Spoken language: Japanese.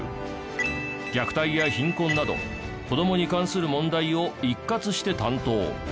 虐待や貧困など子どもに関する問題を一括して担当。